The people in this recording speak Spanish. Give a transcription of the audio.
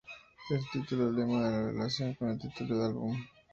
El título del tema se relaciona con el título del álbum.